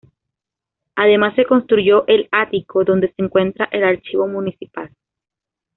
Además se construyó el ático donde se encuentra el Archivo Municipal.